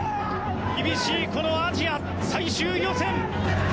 厳しいアジア最終予選。